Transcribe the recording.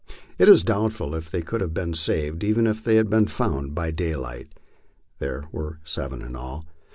It is doubt ful if they could have been saved even had they been found by daylight. There were seven in all.